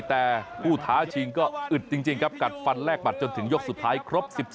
แต่ผู้ท้าชิงก็อึดจริงครับกัดฟันแลกบัตรจนถึงยกสุดท้ายครบ๑๔